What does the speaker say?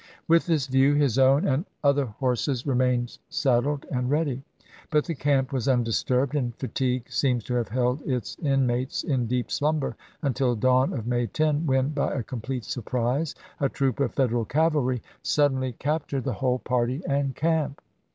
With this view, his own and other horses remained saddled and ready. But the camp was undisturbed, and fatigue seems to have held its in mates in deep slumber until dawn of May 10, when, i865. by a complete surprise, a troop of Federal cavalry suddenly captured the whole party and camp.